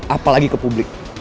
apalagi ke publik